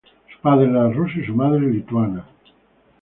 Su padre era ruso y su madre lituana.